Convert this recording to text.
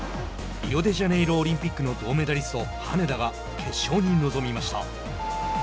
リオデジャネイロオリンピックの銅メダリスト、羽根田が決勝に臨みました。